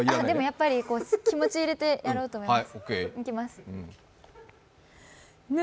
気持ち入れてやろうと思います。